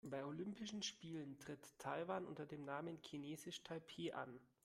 Bei den Olympischen Spielen tritt Taiwan unter dem Namen „Chinesisch Taipeh“ an.